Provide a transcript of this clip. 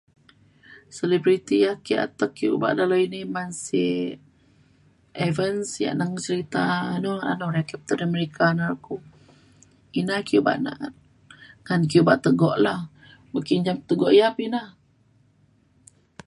selebriti ia’ ake atek ke obak dalau ini man si Evans ia’ neng si serita anu- anun re Captain America na ku ina ake obak na’at ngan ke obak tegok la be ki njam tegok ia’ pa ina